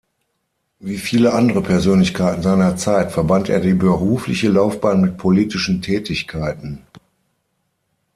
Wie viele andere Persönlichkeiten seiner Zeit verband er die berufliche Laufbahn mit politischen Tätigkeiten.